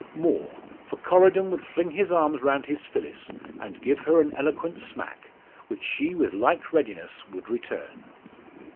More; for Corydon would fling his arms around his Phyllis, and give her an eloquent smack, which she with like readiness would return.